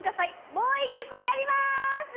もう１曲やります！